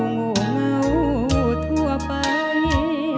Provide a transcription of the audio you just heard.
โง่เมาทั่วไป